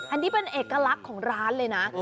อันนี้เป็นเอกลักษณ์ของร้านเลยนะ